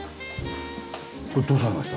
これどうされました？